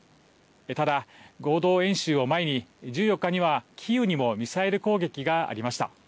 ただ、合同演習を前に１４日にはキーウにもミサイル攻撃がありました。